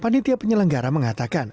panitia penyelenggara mengatakan